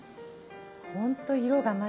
ほんと色がまず美しい。